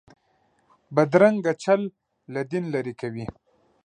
بدرنګه چل له دین لرې کوي